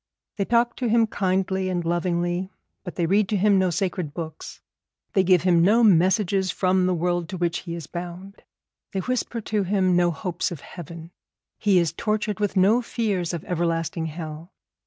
They talk to him kindly and lovingly, but they read to him no sacred books; they give him no messages from the world to which he is bound; they whisper to him no hopes of heaven. He is tortured with no fears of everlasting hell.